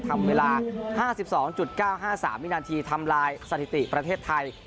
ทำเวลา๕๒๙๕๓วินาทีทำลายสถิติประเทศไทย